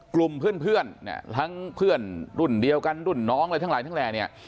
กลุ่มเพื่อนทั้งเพื่อนรุ่นเดียวกันรุ่นน้องอะไรทั้งหลายทั้งแหล่เนี่ย